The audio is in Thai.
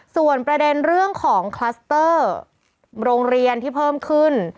ส่วนประเด็นเรื่องของคลัสเตอร์โรงเรียนที่เพิ่มขึ้น